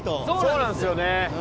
そうなんですよ。